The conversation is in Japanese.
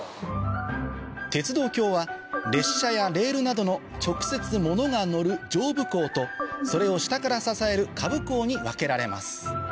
鉄道橋は列車やレールなどの直接物が載る上部工とそれを下から支える下部工に分けられます